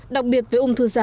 đặc biệt với ung thư da hắc tố